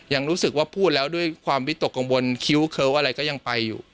ยังรู้สึกว่าพูดแล้วด้วยความวิตกกังวลคิ้วเคิ้วอะไรก็ยังไปอยู่